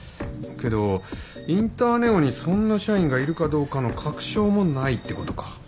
けどインターネオにそんな社員がいるかどうかの確証もないってことか。